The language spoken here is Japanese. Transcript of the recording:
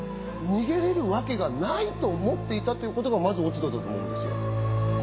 逃げれるわけがないと思っていたということがまず落ち度だと思うんですよ。